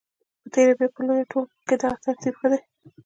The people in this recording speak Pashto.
په تېره بیا په لویه ټولګه کې دغه ترتیب ښه دی.